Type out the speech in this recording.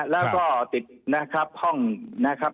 แล้วก็ติดนะครับห้องนะครับ